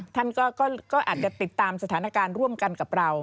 ท่านก็อาจจะติดตามสถานการณ์ร่วมกันกับเรา